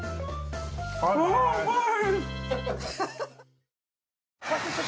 あー、うまい！